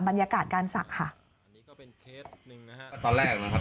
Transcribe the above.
บรรยากาศการศักดิ์ค่ะอันนี้ก็เป็นเคสหนึ่งนะฮะก็ตอนแรกนะครับ